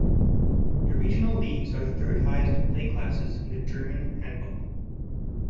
The regional leagues are the third-highest play classes in the German handball.